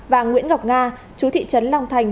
và nguyễn ngọc nga chú thị trấn long thành